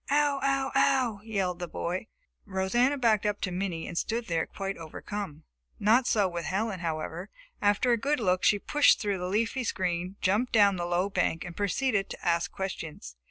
Ow, ow, ow!" yelled the boy. Rosanna backed up to Minnie and stood there quite overcome. Not so with Helen, however. After a good look, she pushed through the leafy screen, jumped down the low bank and proceeded to ask questions.